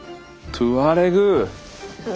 トゥアレグ！